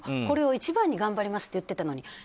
これを一番に頑張りますって言ってたのに。